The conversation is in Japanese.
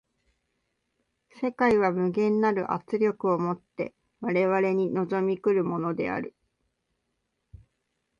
世界は無限なる圧力を以て我々に臨み来るものである。